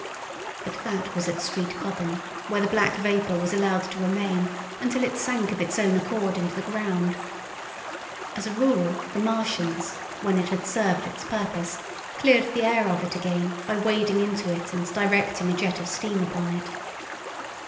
But that was at Street Cobham, where the black vapour was allowed to remain until it sank of its own accord into the ground. As a rule the Martians, when it had served its purpose, cleared the air of it again by wading into it and directing a jet of steam upon it.